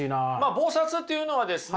忙殺というのはですね